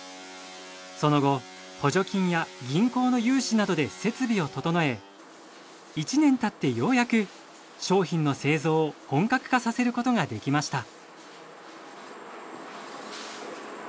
その後補助金や銀行の融資などで設備を整え１年経ってようやく商品の製造を本格化させることができました。